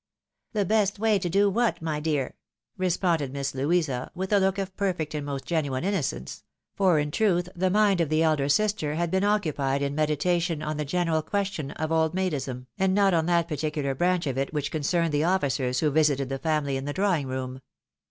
" The best way to do what, my dear ?" responded Miss Louisa, with a look of perfect and most genuine innocence ; for in truth the mind of the elder sister had been occupied in meditation on the general question of oldmaidism, and not on that particular branch of it which concerned the officers who visited the family in the drawing room.